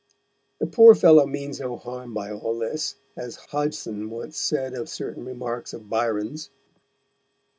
The poor fellow means no harm by all this, as Hodgson once said of certain remarks of Byron's.